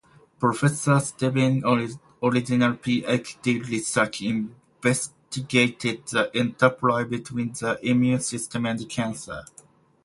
Professor Stebbing’s original PhD research investigated the interplay between the immune system and cancer.